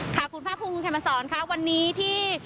คุณภาษณ์พรุนคุณแค่มาทรอนวันนี้ที่